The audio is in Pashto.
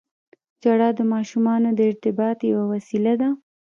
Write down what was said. • ژړا د ماشومانو د ارتباط یوه وسیله ده.